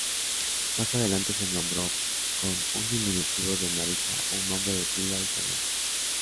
Más adelante se nombró con un diminutivo de Marisa, un nombre de pila italiano.